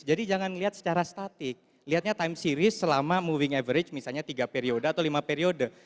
jangan lihat secara statik lihatnya time series selama moving average misalnya tiga periode atau lima periode